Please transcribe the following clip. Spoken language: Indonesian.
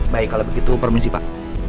baik kalau begitu permisi pak